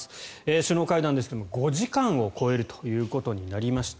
首脳会談ですが５時間を超えるということになりました。